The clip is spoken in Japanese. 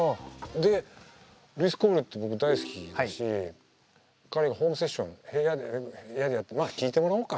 でＬｏｕｉｓＣｏｌｅって僕大好きだし彼ホームセッション部屋でやってまあ聴いてもらおうか。